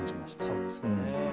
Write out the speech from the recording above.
そうですよね。